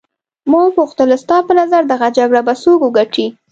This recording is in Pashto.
ما وپوښتل ستا په نظر دغه جګړه به څوک وګټي.